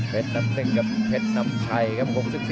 เพชรน้ำหนึ่งกับเพชรน้ำชัยครับ